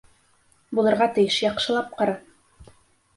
Булырға тейеш, яҡшылап ҡара!